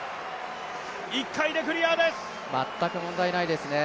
全く問題ないですね。